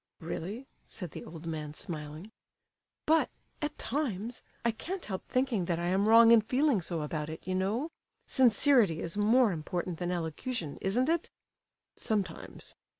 "Really?" said the old man, smiling. "But, at times, I can't help thinking that I am wrong in feeling so about it, you know. Sincerity is more important than elocution, isn't it?" "Sometimes."